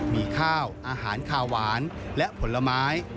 มีข้าวอาหารคาหวานและผลไม้